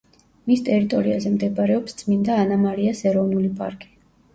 მის ტერიტორიაზე მდებარეობს წმინდა ანა-მარიას ეროვნული პარკი.